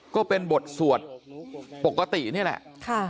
ก็เป็นบทสวดปกตินี่แหละ